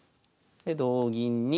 で同銀に。